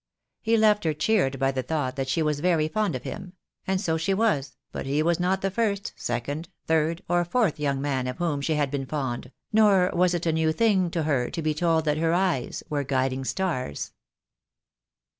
He left her cheered by the thought that she was very fond of him; and so she was, but he was not the first, second, third, or fourth young man of whom she had been fond, nor was it a new thing to her to be told that her eyes were guiding stars.